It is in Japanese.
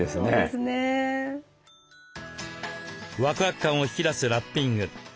ワクワク感を引き出すラッピング。